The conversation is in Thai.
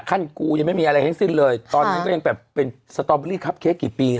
ขั้นกูยังไม่มีอะไรแห้งสิ้นเลยตอนนั้นก็ยังแบบเป็นสตรอบบีรี่คับเค้กกี่ปีแล้วอ่ะ